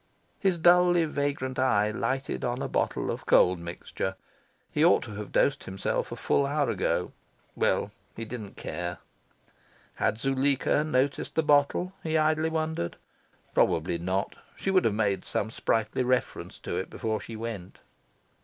His dully vagrant eye lighted on the bottle of Cold Mixture. He ought to have dosed himself a full hour ago. Well, he didn't care. Had Zuleika noticed the bottle? he idly wondered. Probably not. She would have made some sprightly reference to it before she went.